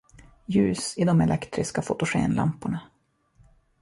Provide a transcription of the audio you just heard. Ljus i de elektriska fotogenlamporna!